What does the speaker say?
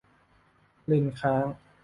เลนส์ค้าง